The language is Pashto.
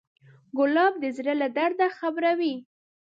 ګلاب د زړه له درده خبروي.